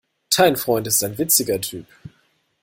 Dein Freund ist ein witziger Typ.